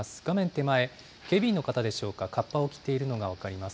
手前、警備員の方でしょうか、かっぱを着ているのが分かります。